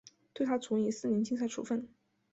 对她处以四年禁赛处分。